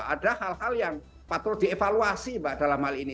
ada hal hal yang patut dievaluasi mbak dalam hal ini